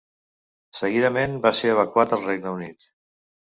Seguidament va ser evacuat al Regne Unit.